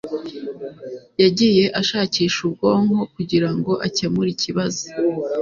yagiye ashakisha ubwonko kugirango akemure ikibazo.